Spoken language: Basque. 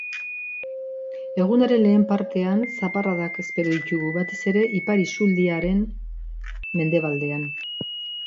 Egunaren lehen partean zaparradak espero ditugu, batez ere ipar isurialdearen mendebaldean.